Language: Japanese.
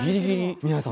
宮根さん